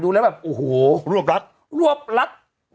แล้วแบบโอ้โหรวบรัดรวบรัด